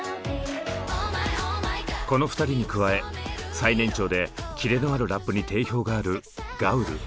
この２人に加え最年長でキレのあるラップに定評があるガウル。